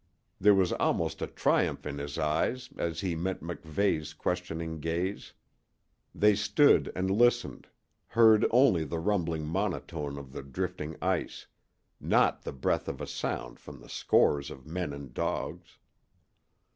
There was almost a triumph in his eyes as he met MacVeigh's questioning gaze. They stood and listened, heard only the rumbling monotone of the drifting ice not the breath of a sound from the scores of men and dogs.